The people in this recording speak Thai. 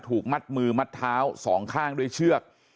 ถูกมัดมือมัดเท้าสองข้างด้วยเชือก